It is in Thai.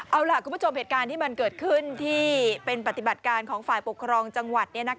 เอาล่ะคุณผู้ชมเหตุการณ์ที่มันเกิดขึ้นที่เป็นปฏิบัติการของฝ่ายปกครองจังหวัด